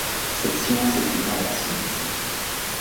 Cette science était mal assise.